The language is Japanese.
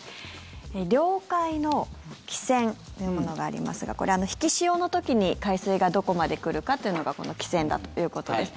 領海の基線というものがありますがこれ、引き潮の時に海水がどこまで来るかというのがこの基線だということです。